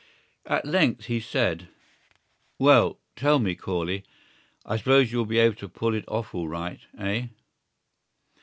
At length he said: "Well ... tell me, Corley, I suppose you'll be able to pull it off all right, eh?"